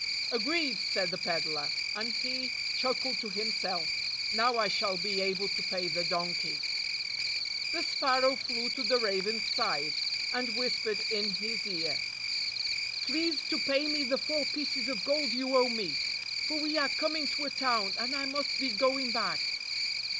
"Agreed," said the peddler; and he chuckled to himself, "Now I shall be able to pay the donkey." The sparrow flew to the raven's side, and whispered in his ear, "Please to pay me the four pieces of gold you owe me ; for we are coming to a town, and I must be going back."